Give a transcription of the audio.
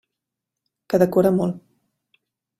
Que decora molt.